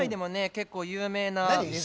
結構有名な。